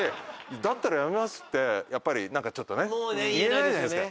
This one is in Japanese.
だったらやめますってやっぱり何かちょっとね言えないじゃないですか。